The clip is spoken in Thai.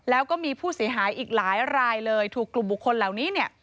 แล้วก็มีผู้เสียหายอีกหลายรายเลยถูกกลุ่มบุคคลเหล่านี้เนี่ย